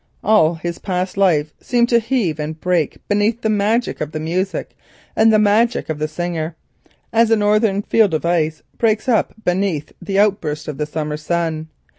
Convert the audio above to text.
All his past life seemed to heave and break beneath the magic of the music and the magic of the singer, as a northern field of ice breaks up beneath the outburst of the summer sun.